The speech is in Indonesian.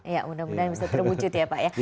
ya mudah mudahan bisa terwujud ya pak ya